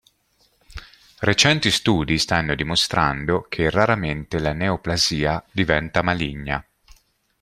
Recenti studi stanno dimostrando che raramente la neoplasia diventa maligna.